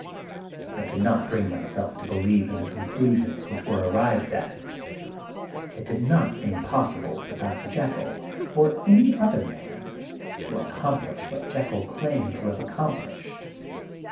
I could not bring myself to believe in the conclusions which were arrived at. It did not seem possible for Dr. Jekyll, or any other man, to ac complish what Jekyll claimed to have ac complished.